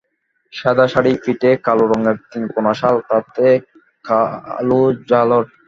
সাদা শাড়ি, পিঠে কালো রঙের তিনকোণা শাল, তাতে কালো ঝালর।